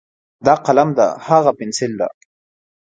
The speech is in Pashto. دا قلم ده، هاغه پینسل ده.